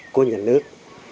của nhà nước